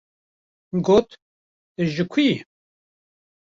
Got: ‘’ Tu ji ku yî? ‘’